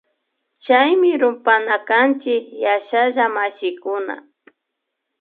Chaymi kumpana kanchik yashalla mashikuna